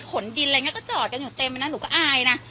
ขนดินอะไรอย่างนี้ก็จอดกันอยู่เต็มนะหนูก็อายนะ